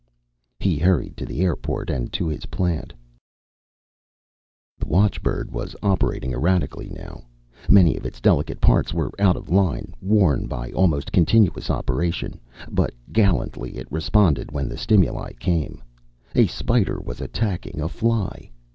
He hurried to the airport and to his plant. The watchbird was operating erratically now. Many of its delicate parts were out of line, worn by almost continuous operation. But gallantly it responded when the stimuli came. A spider was attacking a fly.